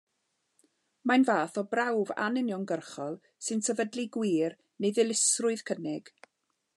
Mae'n fath o brawf anuniongyrchol sy'n sefydlu gwir neu ddilysrwydd cynnig.